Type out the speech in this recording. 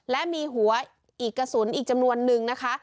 และมีหัวอีกกระสุนอีกจำนวนนึงนะคะ